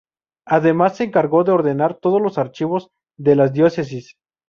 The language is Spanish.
Además, se encargó de ordenar todos los archivos de la diócesis.